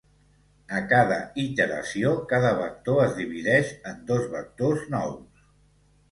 A cada iteració, cada vector es divideix en dos vectors nous.